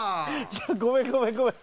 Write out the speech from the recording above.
ごめんごめんごめん。